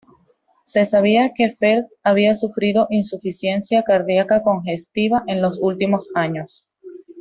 Se sabía que Felt había sufrido insuficiencia cardíaca congestiva en los últimos años.